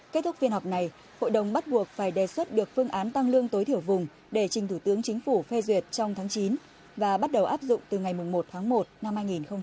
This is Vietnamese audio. kết thúc phiên họp này hội đồng bắt buộc phải đề xuất được phương án tăng lương tối thiểu vùng để trình thủ tướng chính phủ phê duyệt trong tháng chín và bắt đầu áp dụng từ ngày một tháng một năm hai nghìn hai mươi